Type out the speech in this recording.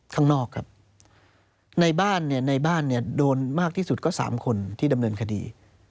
ข้างนอกครับในบ้านเนี่ยในบ้านเนี่ยโดนมากที่สุดก็๓คนที่ดำเนินคดี